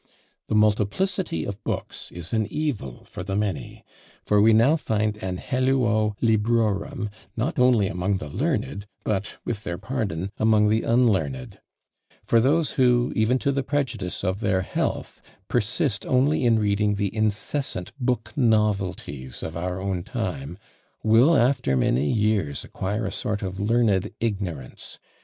The multiplicity of books is an evil for the many; for we now find an helluo librorum not only among the learned, but, with their pardon, among the unlearned; for those who, even to the prejudice of their health, persist only in reading the incessant book novelties of our own time, will after many years acquire a sort of learned ignorance.